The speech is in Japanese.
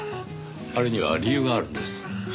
あれには理由があるんです。